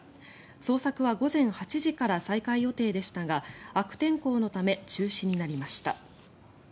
捜索は午前８時から再開予定でしたが悪天候のため中止になりました。